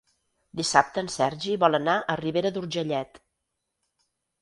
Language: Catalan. Dissabte en Sergi vol anar a Ribera d'Urgellet.